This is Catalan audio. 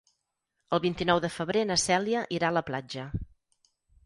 El vint-i-nou de febrer na Cèlia irà a la platja.